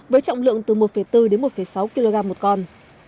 với trọng lượng từ một bốn đến một sáu kg một con